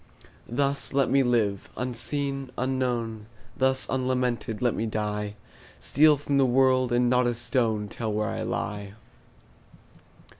Thus let me live, unseen, unknown; Thus unlamented let me die; Steal from the world, and not a stone Tell where I lie.